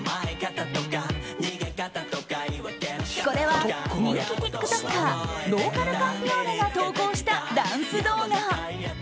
これは人気ティックトッカーローカルカンピオーネが投稿したダンス動画。